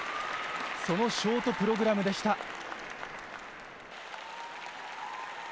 そのショートプログラムでした。